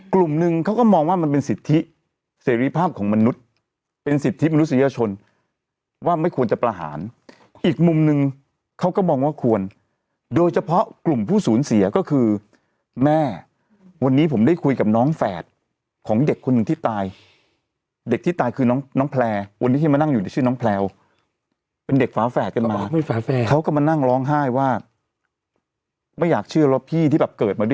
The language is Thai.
กลุ่มนึงเขาก็มองว่ามันเป็นสิทธิเสรีภาพของมนุษย์เป็นสิทธิมนุษยชนว่าไม่ควรจะประหารอีกมุมนึงเขาก็มองว่าควรโดยเฉพาะกลุ่มผู้สูญเสียก็คือแม่วันนี้ผมได้คุยกับน้องแฝดของเด็กคนหนึ่งที่ตายเด็กที่ตายคือน้องน้องแพลววันนี้ที่มานั่งอยู่ที่ชื่อน้องแพลวเป็นเด็กฝาแฝดกันมาเขาก็มานั่งร้องไห้ว่าไม่อยากเชื่อรถพี่ที่แบบเกิดมาด้วย